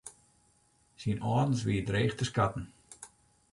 Syn âldens wie dreech te skatten.